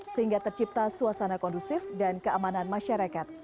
sehingga tercipta suasana kondusif dan keamanan masyarakat